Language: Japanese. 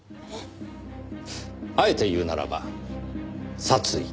あえて言うならば殺意。